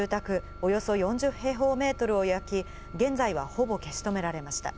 およそ４０平方メートルを焼き、現在は、ほぼ消し止められました。